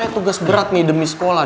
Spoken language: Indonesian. tugas berat nih demi sekolah